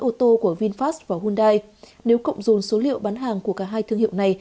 ô tô của vinfast và hyundai nếu cộng dồn số liệu bán hàng của cả hai thương hiệu này